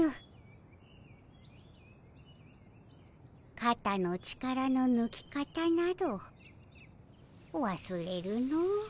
かたの力のぬき方などわすれるの。